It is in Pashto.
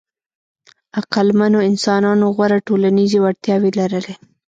عقلمنو انسانانو غوره ټولنیزې وړتیاوې لرلې.